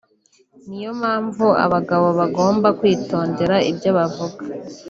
niyo mpamvu abagabo bagomba kwitondera ibyo bavuga